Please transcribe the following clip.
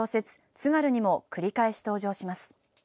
津軽にも繰り返し登場します。